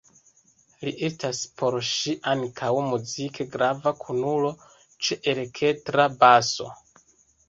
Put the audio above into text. Li estas por ŝi ankaŭ muzike grava kunulo ĉe elektra baso.